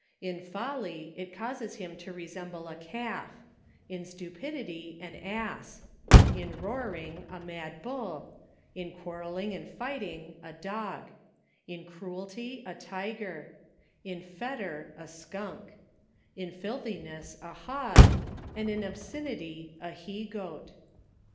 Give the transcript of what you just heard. In folly, it causes him to resemble a calf — in stupidity, an ass — in roaring, a mad bull — in quarreling and fighting, a dog — in cruelty, a tygci* — in fetor, a skunk — in filthi ness, a hog — and in obscenity, a he goat.